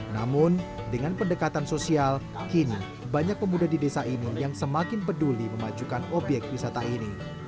namun dengan pendekatan sosial kini banyak pemuda di desa ini yang semakin peduli memajukan obyek wisata ini